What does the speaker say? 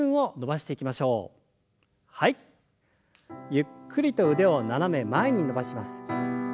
ゆっくりと腕を斜め前に伸ばします。